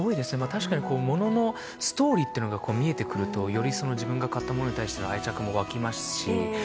確かにもののストーリーが見えてくるとより自分が買ったものに対して愛着もわきますし。